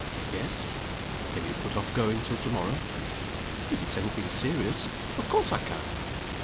"Yes." "Can you put off going till to morrow?" "If it's any thing serious of course I can!"